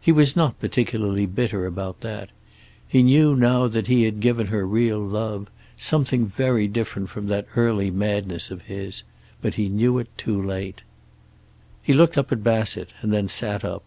He was not particularly bitter about that. He knew now that he had given her real love, something very different from that early madness of his, but he knew it too late... He looked up at Bassett and then sat up.